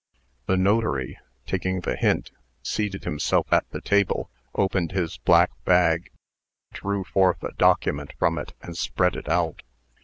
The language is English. The notary, taking the hint, seated himself at the table, opened his black bag, drew forth a document from it, and spread it out.